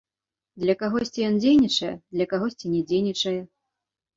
Для кагосьці ён дзейнічае, для кагосьці не дзейнічае.